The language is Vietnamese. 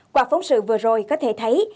qua phóng sự vừa rồi có thể thấy